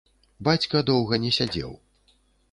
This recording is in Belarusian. Бацька доўга не сядзеў.